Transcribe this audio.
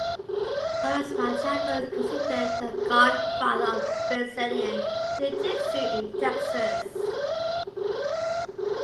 Carlos Machado is considered the "god father" of Brazilian Jiu Jitsu in Texas.